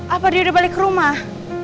apa dia udah balik ke rumah